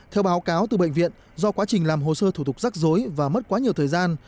theo báo cáo từ bệnh viện do quá trình làm hồ sơ thủ tục rắc rối và mất quá nhiều thời gian